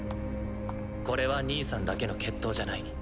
これは兄さんだけの決闘じゃない。